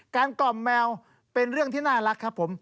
กล่อมแมวเป็นเรื่องที่น่ารักครับผม